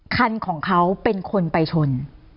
คันของเขาเป็นคนไปชน